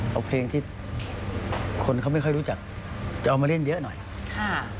เอาเพลงที่คนเขาไม่ค่อยรู้จักจะเอามาเล่นเยอะหน่อยค่ะ